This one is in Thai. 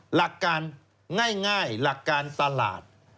หลักการง่ายหลักการตลาด